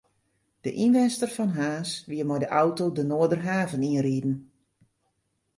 De ynwenster fan Harns wie mei de auto de Noarderhaven yn riden.